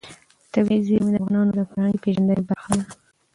طبیعي زیرمې د افغانانو د فرهنګي پیژندنې برخه ده.